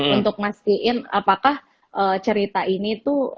untuk mastiin apakah cerita ini tuh